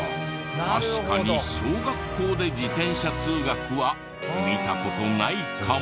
確かに小学校で自転車通学は見た事ないかも。